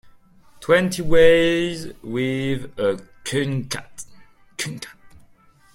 Twenty ways with a kumquat.